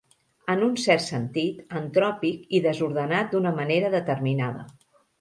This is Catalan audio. En un cert sentit, entròpic i desordenat d'una manera determinada.